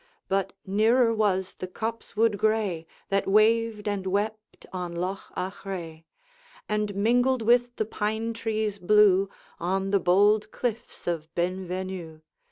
But nearer was the copsewood gray That waved and wept on Loch Achray, And mingled with the pine trees blue On the bold cliffs of Benvenue.